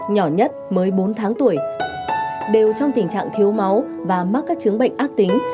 nhỏ nhất mới bốn tháng tuổi đều trong tình trạng thiếu máu và mắc các chứng bệnh ác tính